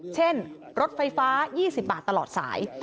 เช่นรถไฟฟ้า๒๐บาทตลอดสาย